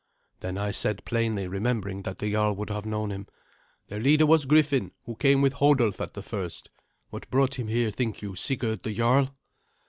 Then I said plainly, remembering that the jarl would have known him, "Their leader was Griffin, who came with Hodulf at the first. What brought him here, think you, Sigurd the jarl?"